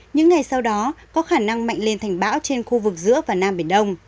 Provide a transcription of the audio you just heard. những ngày sau đó có khả năng mạnh lên thành bão trên khu vực giữa và nam biển đông